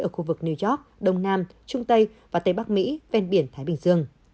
ở khu vực new york đông nam trung tây và tây bắc mỹ ven biển thái bình dương